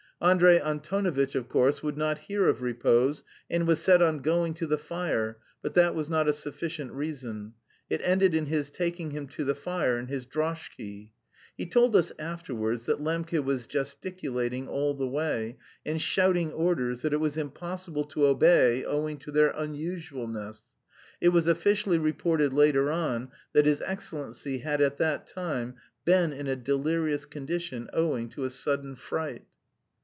Andrey Antonovitch, of course, would not hear of repose, and was set on going to the fire; but that was not a sufficient reason. It ended in his taking him to the fire in his droshky. He told us afterwards that Lembke was gesticulating all the way and "shouting orders that it was impossible to obey owing to their unusualness." It was officially reported later on that his Excellency had at that time been in a delirious condition "owing to a sudden fright."